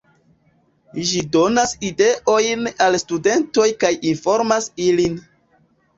Ĝi donas ideojn al studentoj kaj informas ilin.